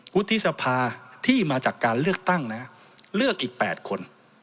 พุทธศพาที่มาจากการเลือกตั้งนะครับเลือกอีก๘คน